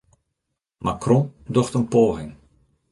Macron docht in poaging